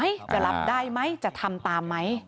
จะรับได้ไหมจะทำตามไหม